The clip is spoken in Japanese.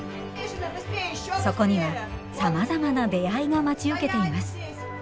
そこにもさまざまな出会いが待ち受けています。